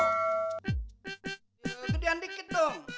gedean dikit dong